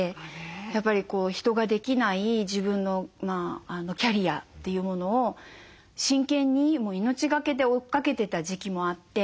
やっぱり人ができない自分のキャリアというものを真剣に命がけで追っかけてた時期もあって。